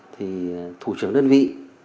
thì thủ trưởng đơn vị